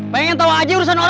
pengen tahu aja urusan orang